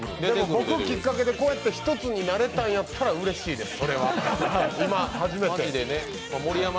僕きっかけでこうやって一つになれたんだったらうれしいです。